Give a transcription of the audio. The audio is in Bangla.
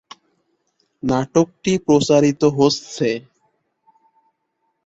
নাটকটি প্রচারিত হচ্ছে।